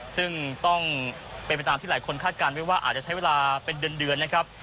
ซึ่งต้องเป็นไปตามที่หลายคนคาดการณ์ไว้ว่าอาจจะใช้เวลาเป็นเดือนนะครับ